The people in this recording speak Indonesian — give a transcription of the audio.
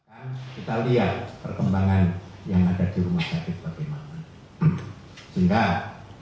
kita lihat perkembangan yang ada di rumah sakit bagaimana